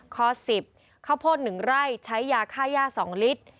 ข้อ๑๐ข้าวโพด๑ไร่ใช้ยาค่าย่า๒ลิตร